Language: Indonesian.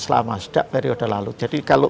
selama sejak periode lalu jadi kalau